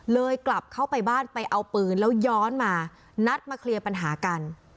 กลับเข้าไปบ้านไปเอาปืนแล้วย้อนมานัดมาเคลียร์ปัญหากัน